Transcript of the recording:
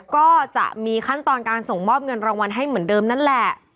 ก็จะมีขั้นตอนการส่งมอบเงินรางวัลให้เหมือนเดิมนั่นแหละ